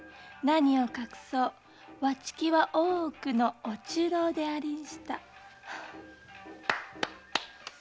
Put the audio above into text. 何を隠そうわちきは大奥のお中臈でありんした。